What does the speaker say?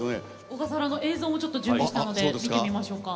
小笠原の映像も準備したので見てみましょうか。